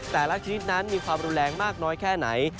แต่ละชนิดนั้นมีความรุนแรงมากน้อยแค่ไหน